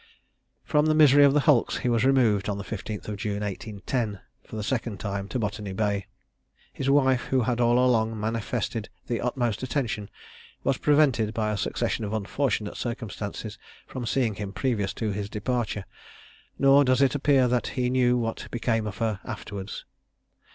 From the misery of the hulks he was removed on the 15th of June 1810, for the second time, to Botany Bay. His wife, who had all along manifested the utmost attention, was prevented by a succession of unfortunate circumstances from seeing him previous to his departure; nor does it appear that he knew what become of her afterwards.